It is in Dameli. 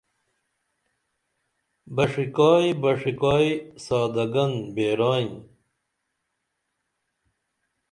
بݜیکائی بݜیکائی سادہ گن بیرائین